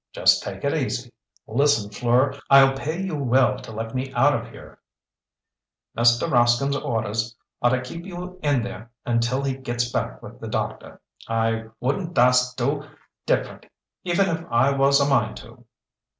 Just take it easy." "Listen, Fleur, I'll pay you well to let me out of here!" "Mr. Rascomb's orders are to keep you in there until he gets back with the doctor. I wouldn't dast to do different even if I was a mind to."